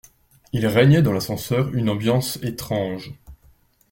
Il régnait dans l’ascenseur une ambiance étrange